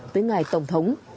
tới ngài tổng thống